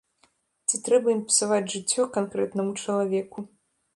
Ці трэба ім псаваць жыццё канкрэтнаму чалавеку.